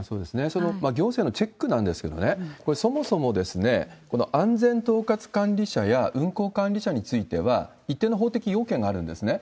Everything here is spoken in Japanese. その行政のチェックなんですけれども、これ、そもそもこの安全統括管理者や運航管理者については、一定の法的要件があるんですね。